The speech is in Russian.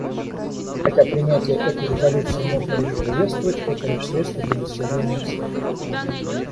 Хотя принятие этой резолюции можно лишь приветствовать, это лишь средство для достижения цели.